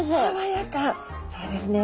そうですね。